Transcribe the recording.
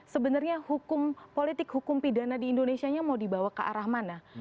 sebenarnya politik hukum pidana di indonesia mau dibawa ke arah mana